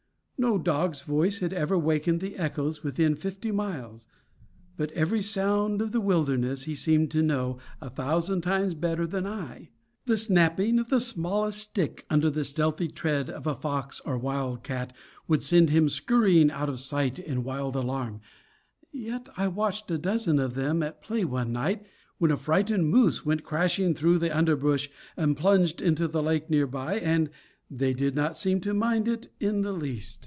No dog's voice had ever wakened the echoes within fifty miles; but every sound of the wilderness he seemed to know a thousand times better than I. The snapping of the smallest stick under the stealthy tread of fox or wildcat would send him scurrying out of sight in wild alarm; yet I watched a dozen of them at play one night when a frightened moose went crashing through the underbrush and plunged into the lake near by, and they did not seem to mind it in the least.